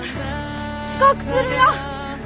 遅刻するよ！